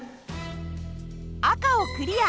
赤をクリア。